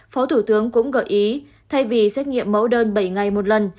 phó thủ tướng cũng gợi ý thay vì xét nghiệm mẫu đơn bảy ngày một lần